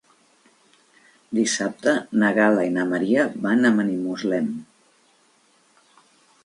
Dissabte na Gal·la i na Maria van a Benimuslem.